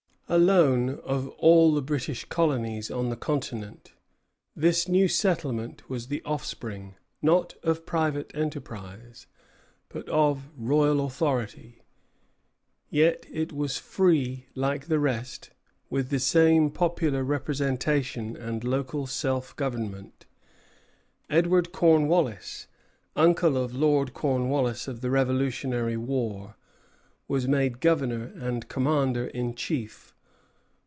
Alone of all the British colonies on the continent, this new settlement was the offspring, not of private enterprise, but of royal authority. Yet is was free like the rest, with the same popular representation and local self government. Edward Cornwallis, uncle of Lord Cornwallis of the Revolutionary War, was made governor and commander in chief.